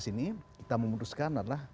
sini kita memutuskan adalah